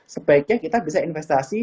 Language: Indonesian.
sebaiknya kita bisa investasi